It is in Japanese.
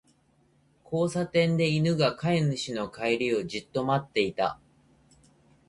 交差点で、犬が飼い主の帰りをじっと待っていた。